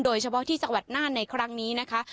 โดยชะบาลที่สกวัติน่านในครั้งนี้นะคะ